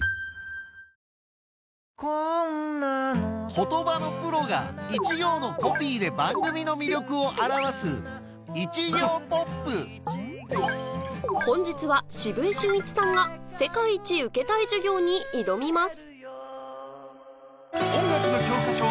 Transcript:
言葉のプロが一行のコピーで番組の魅力を表す本日は澁江俊一さんが『世界一受けたい授業』に挑みます